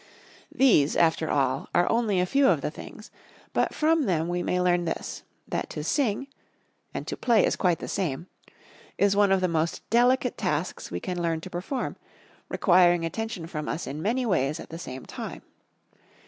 These, after all, are only a few of the things; but from them we may learn this, that to sing (and to play is quite the same) is one of the most delicate tasks we can learn to perform, requiring attention from us in many ways at the same time.